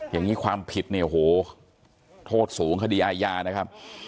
อย่างนี้ความผิดเนี่ยโอ้โหโทษสูงคดีอาญานะครับ